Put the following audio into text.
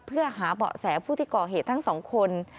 เพื่อหาเบาะแสผู้ที่ก่อเหตุทั้งสองคน